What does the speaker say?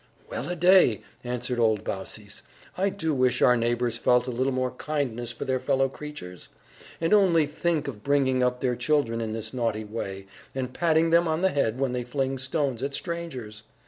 "Well a day!" answered old Baucis, "I do wish our neighbours felt a little more kindness for their fellow creatures. And only think of bringing up their children in this naughty way, and patting them on the head when they fling stones at strangers!"